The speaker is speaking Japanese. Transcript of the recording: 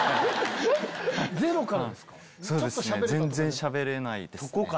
全然しゃべれないですね。